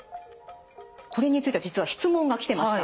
これについては実は質問が来てました。